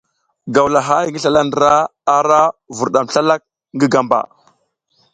Gawlahay ngi zlala ndra, ara vurdam slalak ngi gamba.